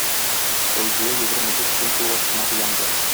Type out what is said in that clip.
Фәүзия егерме дүрт көн тулгач кына уянды.